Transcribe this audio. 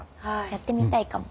やってみたいかも。